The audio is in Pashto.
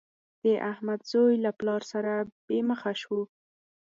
د احمد زوی له پلار سره بې مخه شو.